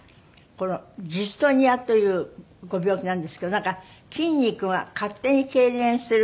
このジストニアというご病気なんですけどなんか筋肉が勝手に痙攣する病気なんですって？